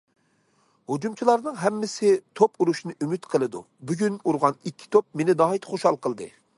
ھۇجۇمچىلارنىڭ ھەممىسى توپ ئۇرۇشنى ئۈمىد قىلىدۇ، بۈگۈن ئۇرغان ئىككى توپ مېنى ناھايىتى خۇشال قىلدى.